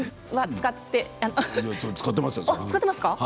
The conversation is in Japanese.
使ってますよ。